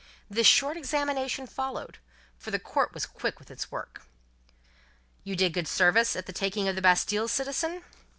This short examination followed, for the court was quick with its work. "You did good service at the taking of the Bastille, citizen?"